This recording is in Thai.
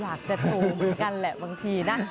อยากจะโชว์เหมือนกันแหละบางทีนะ